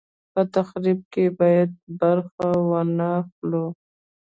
په تخریب کې یې باید برخه وانه خلو.